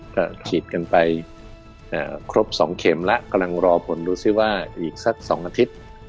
ก็ฉีดกันไปครบ๒เข็มแล้วกำลังรอผลดูซิว่าอีกสัก๒อาทิตย์